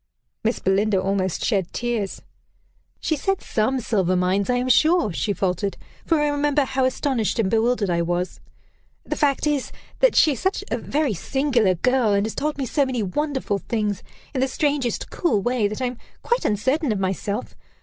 Miss Belinda almost shed tears. "She said 'some silver mines,' I am sure," she faltered; "for I remember how astonished and bewildered I was. The fact is, that she is such a very singular girl, and has told me so many wonderful things, in the strangest, cool way, that I am quite uncertain of myself.